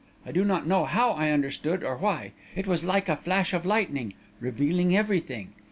I do not know how I understood, or why it was like a flash of lightning, revealing everything.